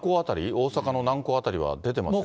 大阪の南港辺りは出てましたよね。